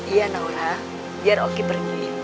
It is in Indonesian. iya naura biar oki pergi